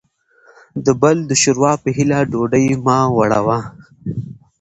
دبل دشوروا په هیله ډوډۍ مه وړه وه